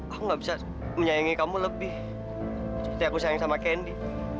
aku gak bisa menyayangi kamu lebih seperti aku sayang sama kendi